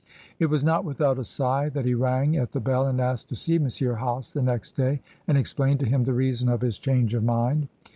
It was not without a sigh that he rang at the bell and asked to see M. Hase the next day, and explained to him the reason of his change of mind.